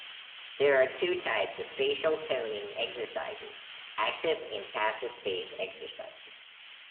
There are two types of facial toning exercises: active and passive face exercises.